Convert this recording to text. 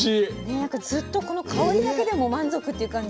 なんかずっとこの香りだけでも満足っていう感じ。